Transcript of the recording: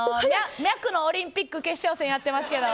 脈のオリンピック決勝戦やってますけど。